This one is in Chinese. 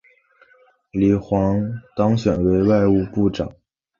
李璜当选为外务部长。